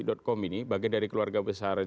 com ini bagian dari keluarga besar